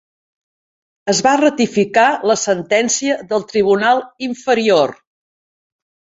Es va ratificar la sentència del tribunal inferior.